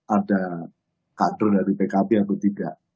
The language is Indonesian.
ada kader dari pkb atau tidak